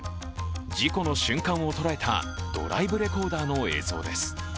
事故の瞬間を捉えた、ドライブレコーダーの映像です。